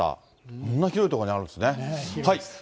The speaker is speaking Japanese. こんな広い所にあるんですね。